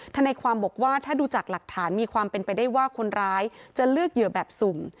ทนายความบอกว่าถ้าดูจากหลักฐานมีความเป็นไปได้ว่าคนร้ายจะเลือกเหยื่อแบบสุ่ม